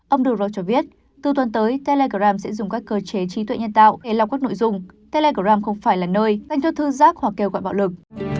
ông duros cho biết từ tuần tới telegram sẽ dùng các cơ chế trí tuệ nhân tạo để lọc các nội dung telegram không phải là nơi anh thư giác hoặc kêu gọi bạo lực